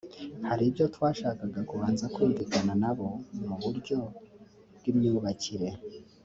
hari ibyo twashakaga kubanza kumvikana na bo mu buryo bw’imyubakire